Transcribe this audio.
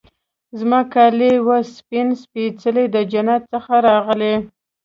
زما کالي وه سپین سپيڅلي د جنت څخه راغلي